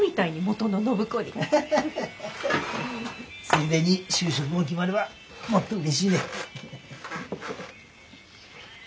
ついでに就職も決まればもっとうれしいね。